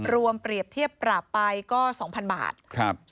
เปรียบเทียบปรับไปก็๒๐๐๐บาท